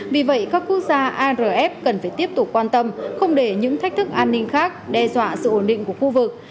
vì vậy các quốc gia arf cần phải tiếp tục quan tâm không để những thách thức an ninh khác đe dọa sự ổn định của khu vực